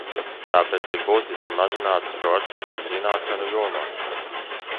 Tāpēc ir būtiski mazināt šo atšķirību zināšanu jomā.